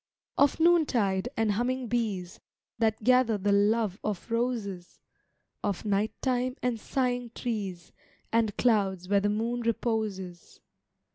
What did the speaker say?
Of noontide and humming bees, That gather the love of roses; Of night time and sighing trees, And clouds where the moon reposes.